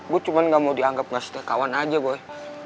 gue cuman gak mau dianggap gak setia kawan aja boy